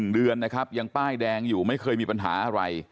๑เดือนนะครับยังป้ายแดงอยู่ไม่เคยมีปัญหาอะไร